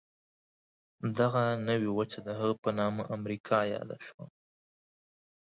دغه نوې وچه د هغه په نامه امریکا یاده شوه.